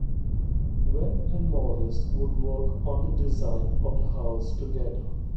Webb and Morris would work on the design of the house together.